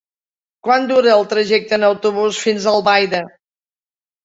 Quant dura el trajecte en autobús fins a Albaida?